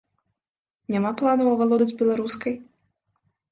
Няма планаў авалодаць беларускай?